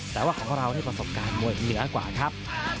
แต่ว่าของเรานี่ประสบการณ์มวยเหนือกว่าครับ